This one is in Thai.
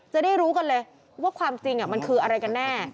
จะได้รู้กันเลยว่าความจริงมันคืออะไรกันแน่